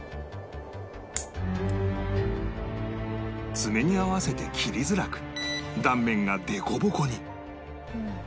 爪に合わせて切りづらく断面がデコボコに